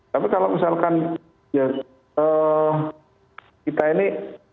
tapi kalau misalkan kita ini terakhir membuat ini